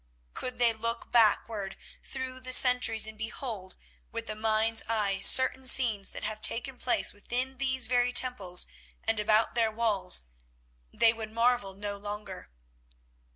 Could they look backward through the centuries and behold with the mind's eye certain scenes that have taken place within these very temples and about their walls, they would marvel no longer.